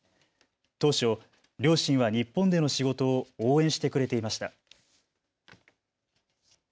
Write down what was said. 当初、両親は日本での仕事を応援してくれていました。